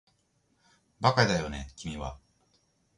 バカだよね君は